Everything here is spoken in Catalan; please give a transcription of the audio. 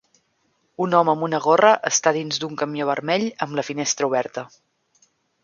Un home amb una gorra està dins d'un camió vermell amb la finestra oberta.